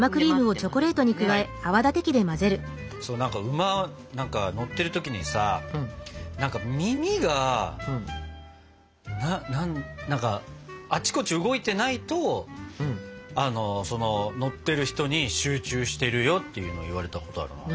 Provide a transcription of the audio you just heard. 馬乗ってる時にさ何か耳が何かあっちこっち動いてないと乗ってる人に集中してるよっていうのを言われたことあるな。